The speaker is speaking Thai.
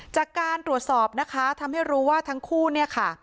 จากการตรวจสอบนะคะทำให้รู้ว่าทั้งคู่เนี่ยค่ะ